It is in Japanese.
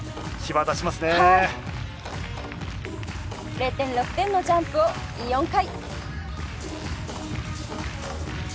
０．６点のジャンプを４回。